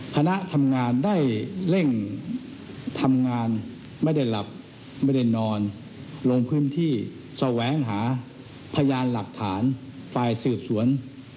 คณะทำงานได้เร่งทำงานไม่ได้หลับไม่ได้นอนลงพื้นที่แสวงหาพยานหลักฐานฝ่ายสืบสวน